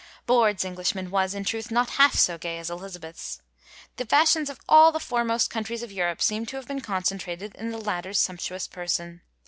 '^ Borde's Englishman was, in truth, not half so gay as Elizabeth's. The fashions of all the foremost countries of Eiux)pe seem to have been concentrated in the latter's sumptuous person.